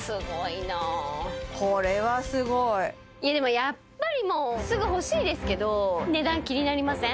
やっぱりもうすぐ欲しいですけど値段気になりません？